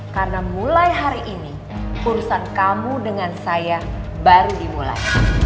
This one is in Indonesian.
karena mulai hari ini urusan kamu dengan saya baru dimulai